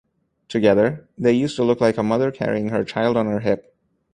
Together, they used to look like a mother carrying her child on her hip.